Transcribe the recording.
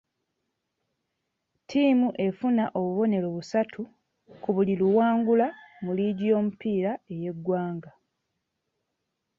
Ttiimu efuna obubonero busatu ku buli luwangula mu liigi y'omupiira ey'eggwanga.